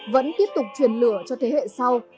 vẫn tiếp tục truyền lửa cho thế hệ sau